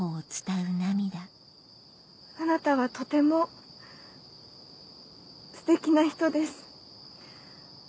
あなたはとてもステキな人です。